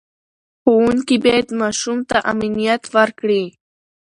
ښوونکي باید ماشوم ته امنیت ورکړي.